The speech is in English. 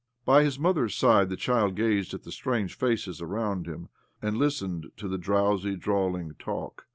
By his mother's side the child gazed at the strange faces around him, and listened to the drowsy, drawling talk.